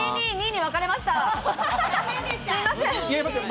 ２、２、２に分かれました。